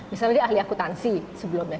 misalnya dia ahli akutansi sebelumnya